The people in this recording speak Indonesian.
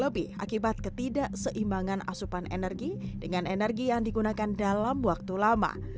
lebih akibat ketidakseimbangan asupan energi dengan energi yang digunakan dalam waktu lama